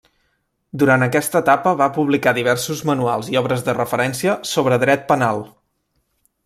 Durant aquesta etapa va publicar diversos manuals i obres de referència sobre dret penal.